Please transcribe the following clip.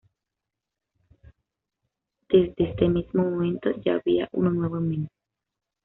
Desde este mismo momento ya había uno nuevo en mente.